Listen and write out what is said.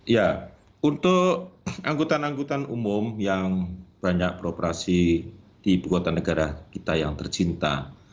ya untuk angkutan angkutan umum yang banyak beroperasi di ibu kota negara kita yang tercinta